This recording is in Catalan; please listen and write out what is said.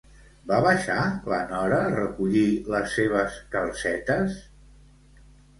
Va baixar la Nora a recollir les seves calcetes?